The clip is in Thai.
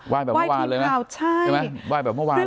ไหว้ทีเปล่าใช่ไหมไหว้แบบเมื่อวานเลยนะ